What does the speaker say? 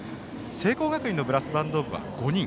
聖光学院のブラスバンド部は５人。